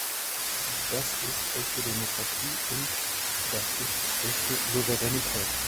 Das ist echte Demokratie und das ist echte Souveränität.